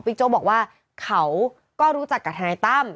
โจ๊กบอกว่าเขาก็รู้จักกับทนายตั้ม